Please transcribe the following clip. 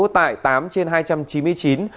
tại tám trên hai trăm chín mươi chín